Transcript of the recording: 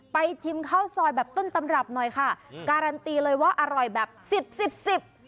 ชิมข้าวซอยแบบต้นตำรับหน่อยค่ะการันตีเลยว่าอร่อยแบบสิบสิบสิบ